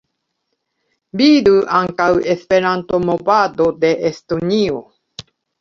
Vidu ankaŭ Esperanto-movado de Estonio.